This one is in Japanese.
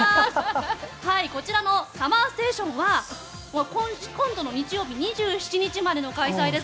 こちらのＳＵＭＭＥＲＳＴＡＴＩＯＮは今度の日曜日２７日までの開催です。